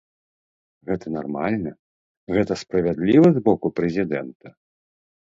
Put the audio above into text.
Гэта нармальна, гэта справядліва з боку прэзідэнта?